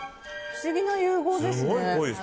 不思議な融合ですね。